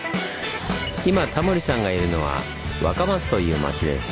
今タモリさんがいるのは若松という町です。